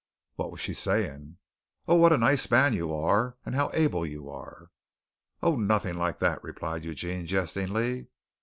"What was she saying?" "Oh, what a nice man you are, and how able you are." "Oh, nothing like that," replied Eugene jestingly.